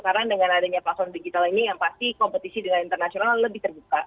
karena dengan adanya platform digital ini yang pasti kompetisi dengan internasional lebih terbuka